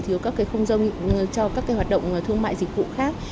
thiếu các cái không gian cho các cái hoạt động thương mại dịch vụ khác